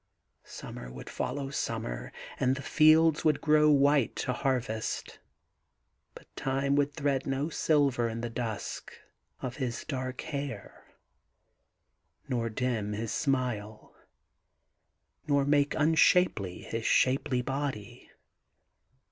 Summer would follow summer and the fields would grow white to harvest, but Time would thread no silver in the dusk of his dark hair, nor dim his smile, nor make unshapely his shapely body.